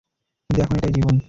কিন্তু এখন, এটাই জীবন।